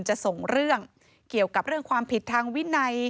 จะส่งเรื่องเกี่ยวกับเรื่องความผิดทางวินัย